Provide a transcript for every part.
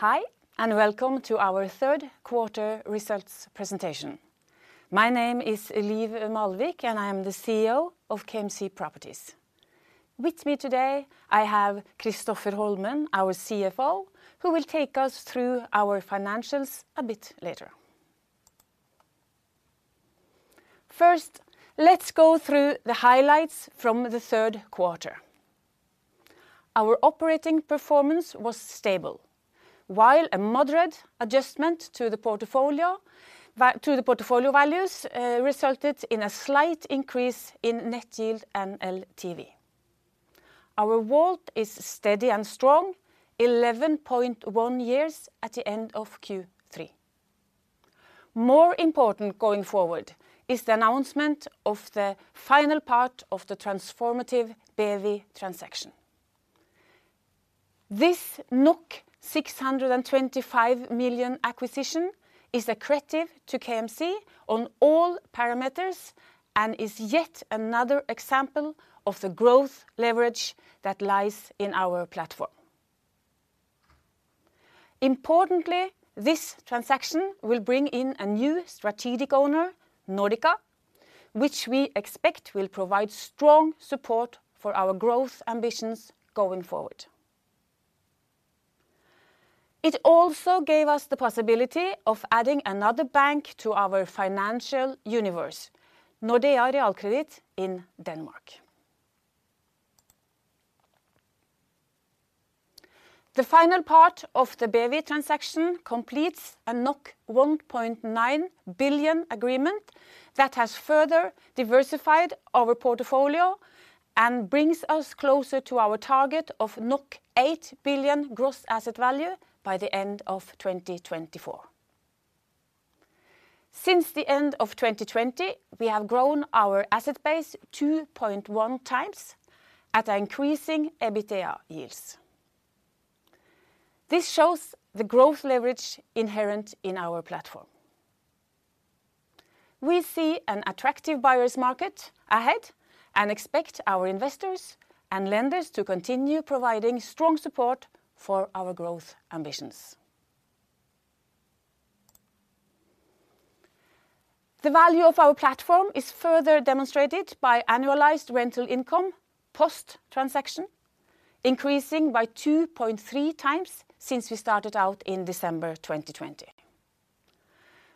Hi, and welcome to our third quarter results presentation. My name is Liv Malvik, and I am the CEO of KMC Properties. With me today, I have Kristoffer Holmen, our CFO, who will take us through our financials a bit later. First, let's go through the highlights from the third quarter. Our operating performance was stable, while a moderate adjustment to the portfolio, to the portfolio values, resulted in a slight increase in net yield and LTV. Our WALT is steady and strong, 11.1 years at the end of Q3. More important going forward is the announcement of the final part of the transformative BEWI transaction. This 625 million acquisition is accretive to KMC on all parameters and is yet another example of the growth leverage that lies in our platform. Importantly, this transaction will bring in a new strategic owner, Nordika, which we expect will provide strong support for our growth ambitions going forward. It also gave us the possibility of adding another bank to our financial universe, Nordea Kredit in Denmark. The final part of the BEWI transaction completes a 1.9 billion agreement that has further diversified our portfolio and brings us closer to our target of 8 billion gross asset value by the end of 2024. Since the end of 2020, we have grown our asset base 2.1 times at increasing EBITDA yields. This shows the growth leverage inherent in our platform. We see an attractive buyer's market ahead and expect our investors and lenders to continue providing strong support for our growth ambitions. The value of our platform is further demonstrated by annualized rental income, post-transaction, increasing by 2.3 times since we started out in December 2020.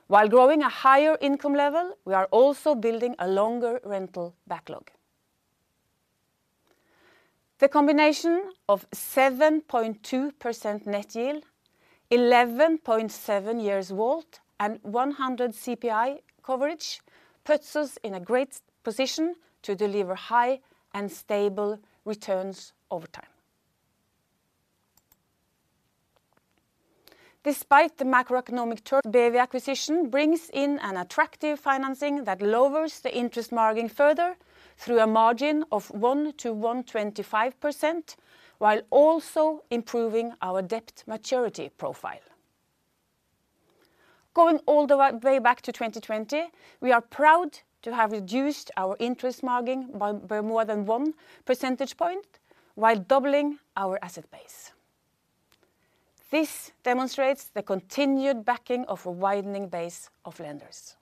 While growing a higher income level, we are also building a longer rental backlog. The combination of 7.2% net yield, 11.7 years WALT, and 100% CPI coverage, puts us in a great position to deliver high and stable returns over time. Despite the macroeconomic turn, BEWI acquisition brings in an attractive financing that lowers the interest margin further through a margin of 1-1.25%, while also improving our debt maturity profile. Going all the way back to 2020, we are proud to have reduced our interest margin by more than one percentage point, while doubling our asset base. This demonstrates the continued backing of a widening base of lenders.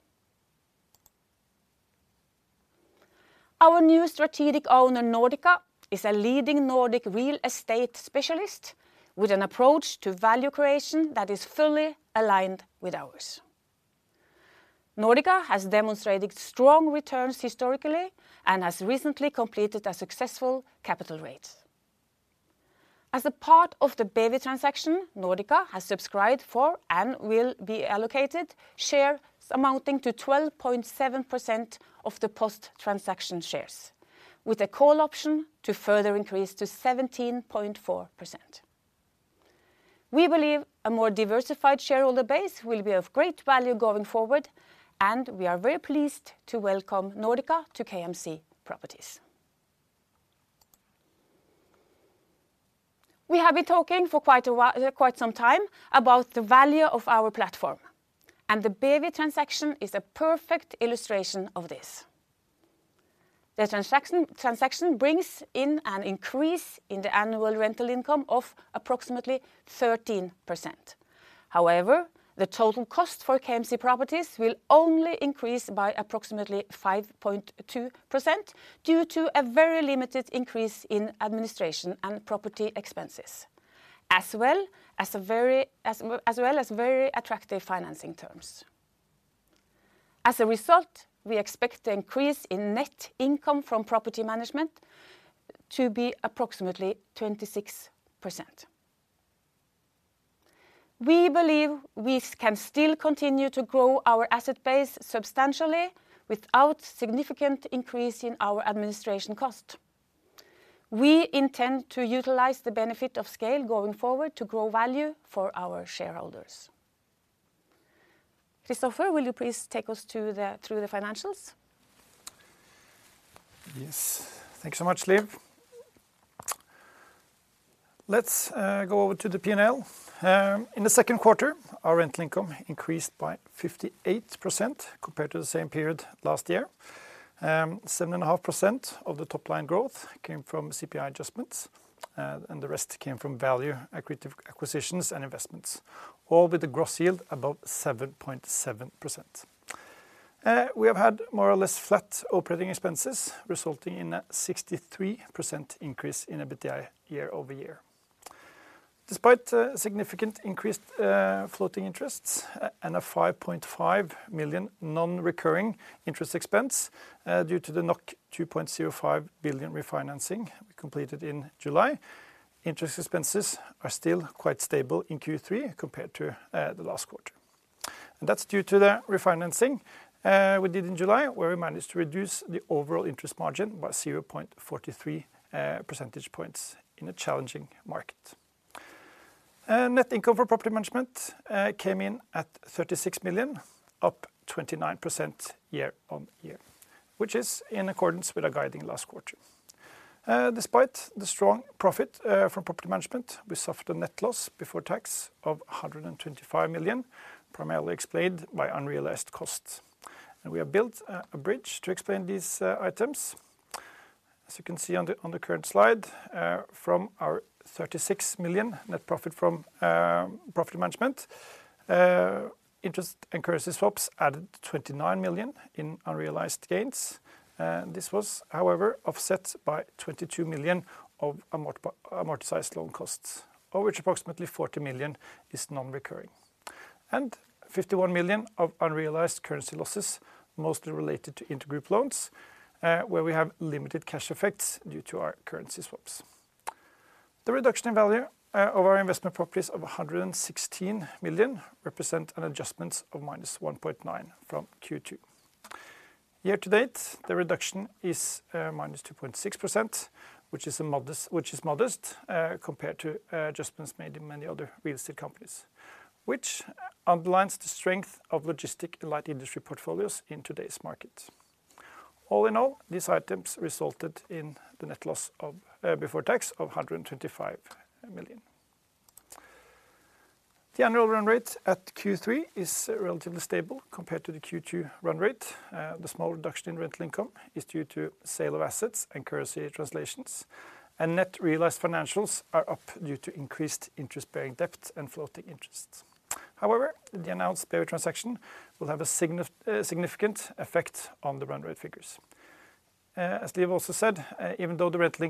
Our new strategic owner, Nordika, is a leading Nordic real estate specialist with an approach to value creation that is fully aligned with ours. Nordika has demonstrated strong returns historically and has recently completed a successful capital raise. As a part of the BEWI transaction, Nordika has subscribed for and will be allocated shares amounting to 12.7% of the post-transaction shares, with a call option to further increase to 17.4%. We believe a more diversified shareholder base will be of great value going forward, and we are very pleased to welcome Nordika to KMC Properties. We have been talking for quite a while, quite some time, about the value of our platform, and the BEWI transaction is a perfect illustration of this. The transaction, transaction brings in an increase in the annual rental income of approximately 13%. However, the total cost for KMC Properties will only increase by approximately 5.2% due to a very limited increase in administration and property expenses, as well as very attractive financing terms. As a result, we expect the increase in net income from property management to be approximately 26%. We believe we can still continue to grow our asset base substantially without significant increase in our administration cost. We intend to utilize the benefit of scale going forward to grow value for our shareholders. Kristoffer, will you please take us through the financials? Yes. Thank you so much, Liv. Let's go over to the P&L. In the second quarter, our rental income increased by 58% compared to the same period last year. Seven and a half percent of the top-line growth came from CPI adjustments, and the rest came from value accretive acquisitions and investments, all with a gross yield above 7.7%. We have had more or less flat operating expenses, resulting in a 63% increase in EBITDA year-over-year. Despite significant increased floating interests and a 5.5 million non-recurring interest expense, due to the 2.05 billion refinancing completed in July, interest expenses are still quite stable in Q3 compared to the last quarter. That's due to the refinancing we did in July, where we managed to reduce the overall interest margin by 0.43 percentage points in a challenging market. Net income for property management came in at 36 million, up 29% year-on-year, which is in accordance with our guidance last quarter. Despite the strong profit from property management, we suffered a net loss before tax of 125 million, primarily explained by unrealized costs. We have built a bridge to explain these items. As you can see on the current slide, from our 36 million net profit from property management, interest and currency swaps added 29 million in unrealized gains. This was, however, offset by 22 million of amortized loan costs, of which approximately 40 million is non-recurring. Fifty-one million of unrealized currency losses, mostly related to intergroup loans, where we have limited cash effects due to our currency swaps. The reduction in value of our investment properties of a hundred and sixteen million represent an adjustment of minus 1.9 from Q2. Year to date, the reduction is minus 2.6%, which is modest compared to adjustments made in many other real estate companies, which underlines the strength of logistic and light industry portfolios in today's market. All in all, these items resulted in the net loss before tax of hundred and twenty-five million. The annual run rate at Q3 is relatively stable compared to the Q2 run rate. The small reduction in rental income is due to sale of assets and currency translations, and net realized financials are up due to increased interest-bearing debt and floating interests. However, the announced BEWI transaction will have a significant effect on the run rate figures. As Liv also said, even though the rental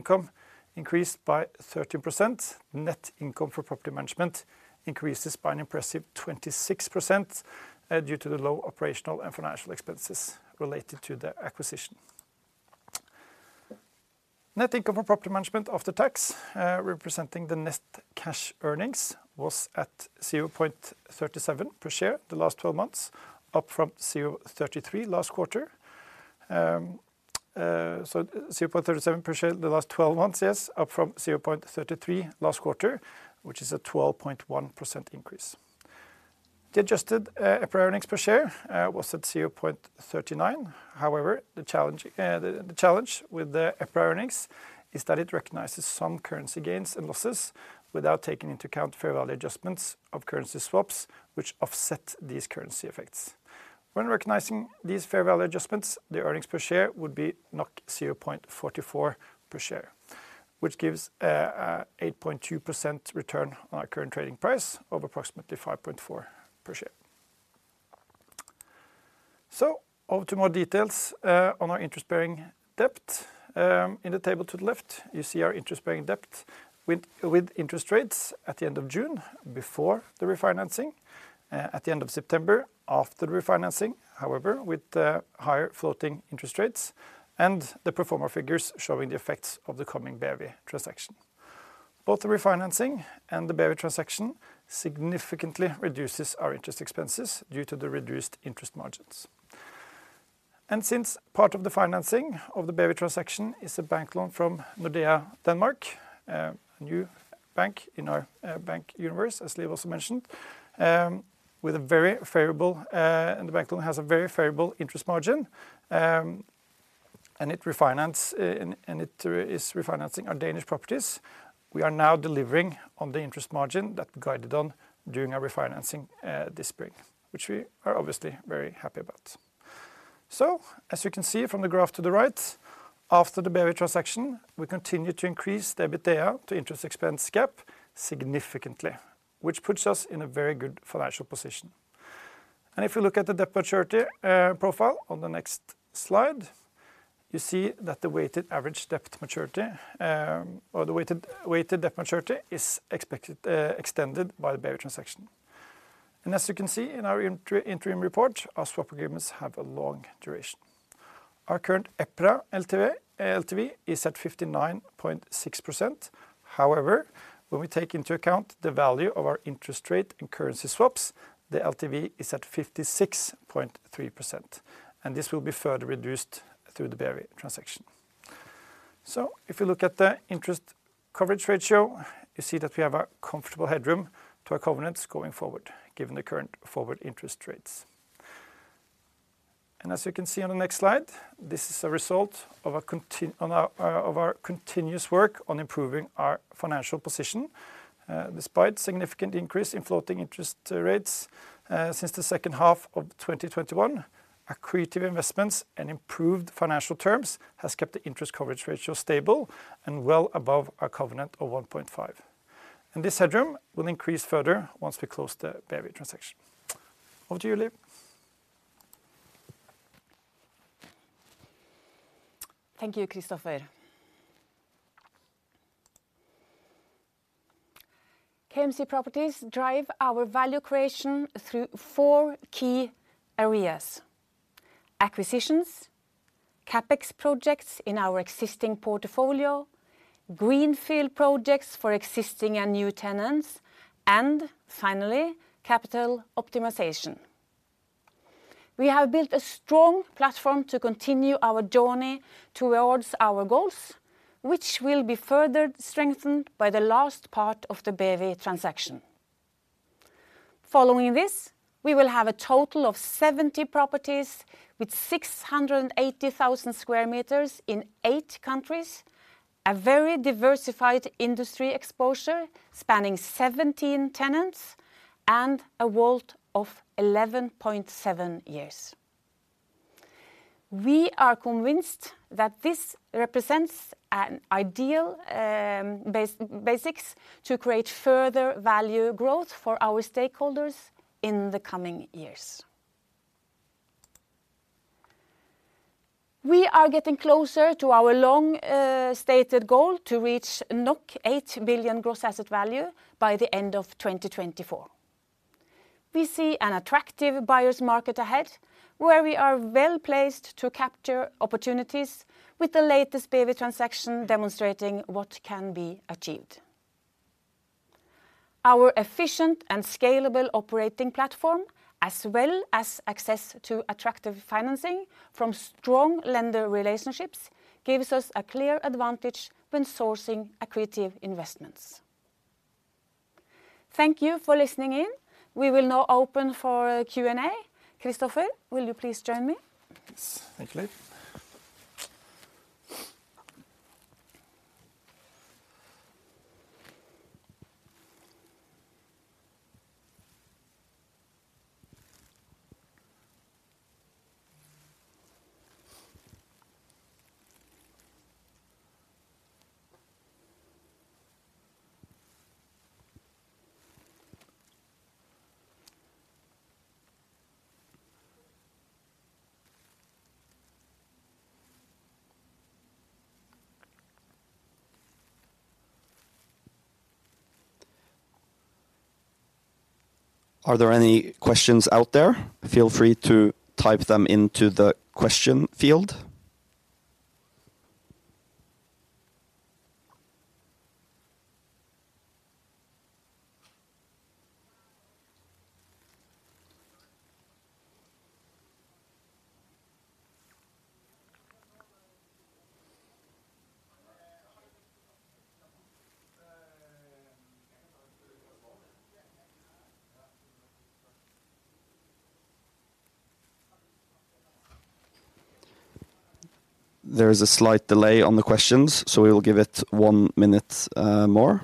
income increased by 13%, net income for property management increases by an impressive 26%, due to the low operational and financial expenses related to the acquisition. Net income for property management after tax, representing the net cash earnings, was at 0.37 per share the last 12 months, up from 0.33 last quarter. So 0.37 per share the last 12 months, yes, up from 0.33 last quarter, which is a 12.1% increase. The adjusted EPRA earnings per share was at 0.39. However, the challenge with the EPRA earnings is that it recognizes some currency gains and losses without taking into account fair value adjustments of currency swaps, which offset these currency effects. When recognizing these fair value adjustments, the earnings per share would be 0.44 per share, which gives a 8.2% return on our current trading price of approximately 5.4 per share. So over to more details on our interest-bearing debt. In the table to the left, you see our interest-bearing debt with interest rates at the end of June, before the refinancing, at the end of September, after the refinancing, however, with the higher floating interest rates and the pro forma figures showing the effects of the coming BEWI transaction. Both the refinancing and the BEWI transaction significantly reduces our interest expenses due to the reduced interest margins. And since part of the financing of the BEWI transaction is a bank loan from Nordea, Denmark, a new bank in our bank universe, as Liv also mentioned, with a very favorable... And the bank loan has a very favorable interest margin, and it is refinancing our Danish properties. We are now delivering on the interest margin that we guided on during our refinancing this spring, which we are obviously very happy about. So as you can see from the graph to the right, after the BEWI transaction, we continue to increase the EBITDA to interest expense gap significantly, which puts us in a very good financial position. If you look at the debt maturity profile on the next slide, you see that the weighted average debt maturity, or the weighted debt maturity is expected extended by the BEWI transaction. As you can see in our interim report, our swap agreements have a long duration. Our current EPRA LTV, LTV is at 59.6%. However, when we take into account the value of our interest rate and currency swaps, the LTV is at 56.3%, and this will be further reduced through the BEWI transaction. So if you look at the interest coverage ratio, you see that we have a comfortable headroom to our covenants going forward, given the current forward interest rates. As you can see on the next slide, this is a result of a contin... on our continuous work on improving our financial position. Despite significant increase in floating interest rates since the second half of 2021, accretive investments and improved financial terms has kept the interest coverage ratio stable and well above our covenant of 1.5. This headroom will increase further once we close the BEWI transaction. Over to you, Liv. Thank you, Kristoffer. KMC Properties drive our value creation through four key areas: acquisitions, CapEx projects in our existing portfolio, greenfield projects for existing and new tenants, and finally, capital optimization. We have built a strong platform to continue our journey towards our goals, which will be further strengthened by the last part of the BEWI transaction. Following this, we will have a total of 70 properties with 680,000 square meters in 8 countries, a very diversified industry exposure, spanning 17 tenants, and a WALT of 11.7 years. We are convinced that this represents an ideal basics to create further value growth for our stakeholders in the coming years. We are getting closer to our long stated goal to reach 8 billion gross asset value by the end of 2024. We see an attractive buyer's market ahead, where we are well placed to capture opportunities with the latest BEWI transaction, demonstrating what can be achieved. Our efficient and scalable operating platform, as well as access to attractive financing from strong lender relationships, gives us a clear advantage when sourcing accretive investments. Thank you for listening in. We will now open for Q&A. Kristoffer, will you please join me? Yes. Thank you, Liv. Are there any questions out there? Feel free to type them into the question field. There is a slight delay on the questions, so we will give it one minute more.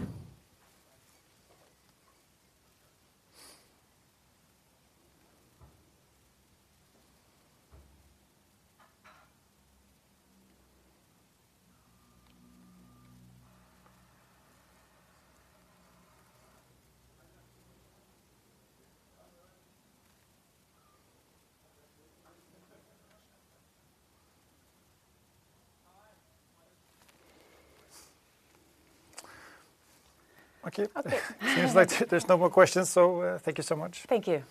Okay. Okay. Seems like there's no more questions, so, thank you so much. Thank you.